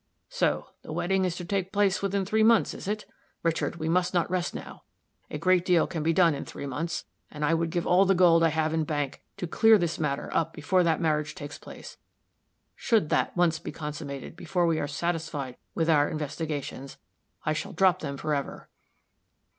So, the wedding is to take place within three months, is it? Richard, we must not rest now. A great deal can be done in three months, and I would give all the gold I have in bank to clear this matter up before that marriage takes place. Should that once be consummated before we are satisfied with our investigations, I shall drop them for ever.